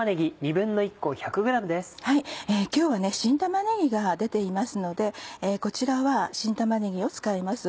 今日は新玉ねぎが出ていますのでこちらは新玉ねぎを使います。